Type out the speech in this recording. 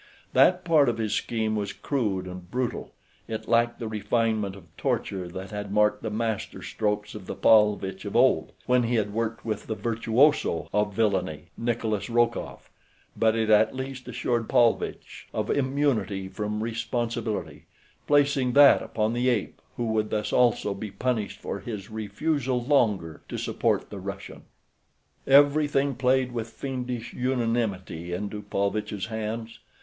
That part of his scheme was crude and brutal—it lacked the refinement of torture that had marked the master strokes of the Paulvitch of old, when he had worked with that virtuoso of villainy, Nikolas Rokoff—but it at least assured Paulvitch of immunity from responsibility, placing that upon the ape, who would thus also be punished for his refusal longer to support the Russian. Everything played with fiendish unanimity into Paulvitch's hands.